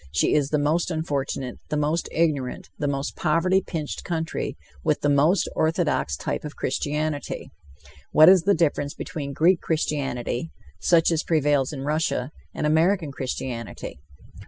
She is the most unfortunate, the most ignorant, the most poverty pinched country, with the most orthodox type of Christianity. What is the difference between Greek Christianity, such as prevails in Russia, and American Christianity!